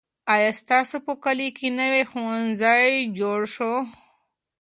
آیا ستاسو په کلي کې نوی ښوونځی جوړ سو؟